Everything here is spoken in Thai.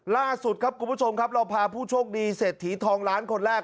ล่าสุดครับคุณผู้ชมครับเราพาผู้โชคดีเศรษฐีทองล้านคนแรก